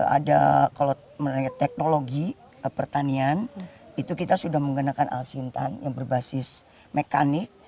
ada kalau menurut teknologi pertanian itu kita sudah menggunakan al sintan yang berbasis mekanik